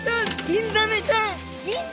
ギンザメちゃん？